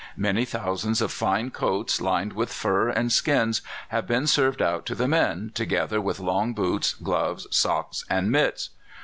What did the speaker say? Many thousands of fine coats, lined with fur and skins, have been served out to the men, together with long boots, gloves, socks, and mits.